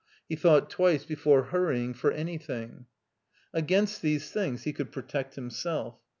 He thought twice before hurrying for anything. Against these things he could protect himself.